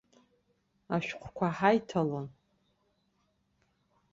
Ашәҟәқәа ҳаиҭалон.